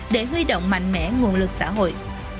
để huy động mạnh mẽ nguồn lực xã hội